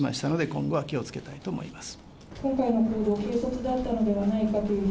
今後は気をつけたいと思います。